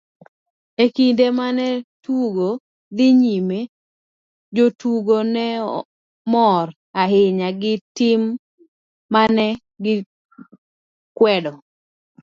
E kinde mane tugo dhi nyime, jotugo ne mor ahinya gi tim mane gikwedo.